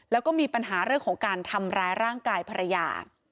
แล้วก็มีปัญหาเรื่องของการทำร้ายร่างกายภรรยา